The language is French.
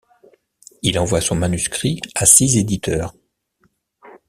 Il envoie son manuscrit à six éditeurs.